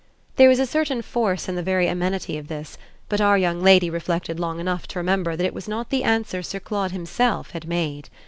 There was a certain force in the very amenity of this, but our young lady reflected long enough to remember that it was not the answer Sir Claude himself had made.